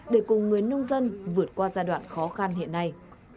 để cùng người nông dân vượt qua giai đoạn khó khăn hiện nay